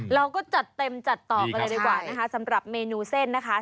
เราก็จัดเต็มจัดต่อกันเลยดีกว่านะคะสำหรับเมนูเส้นนะคะ